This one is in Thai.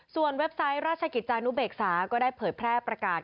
เว็บไซต์ราชกิจจานุเบกษาก็ได้เผยแพร่ประกาศ